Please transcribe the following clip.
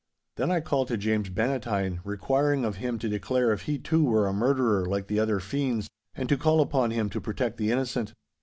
'Then I called to James Bannatyne requiring of him to declare if he too were a murderer like the other fiends, and to call upon him to protect the innocent.